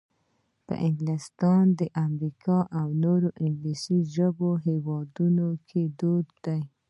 په انګلستان، امریکا او نورو انګلیسي ژبو هېوادونو کې دود دی.